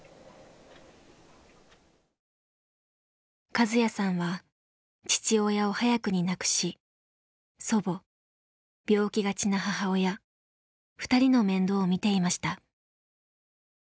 カズヤさんは父親を早くに亡くし祖母病気がちな母親２人の面倒を見ていました。